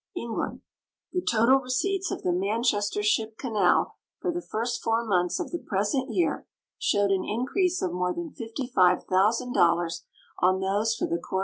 E.ngl.vnd. Tlie total receipts of the Manchester Ship Canal for the first four months of the present year showed an increase of more than $55,000 on those for the corre.